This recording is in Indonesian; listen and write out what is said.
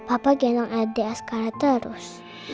papa ganteng rda sekarang terus